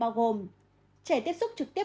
bao gồm trẻ tiếp xúc trực tiếp